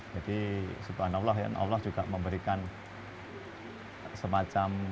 jadi subhanallah allah juga memberikan semacam